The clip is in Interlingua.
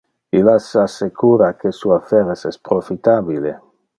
Illa se assecura que su affaires es profitabile.